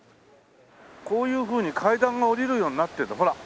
こういうふうに階段が下りるようになってるんだほら。